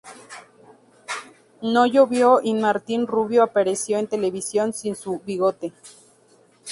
No llovió y Martín Rubio apareció en televisión sin su bigote.